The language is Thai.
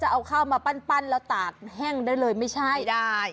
เอาข้าวมาปั้นแล้วตากแห้งได้เลยไม่ใช่ได้